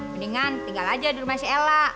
mendingan tinggal aja di rumah si ella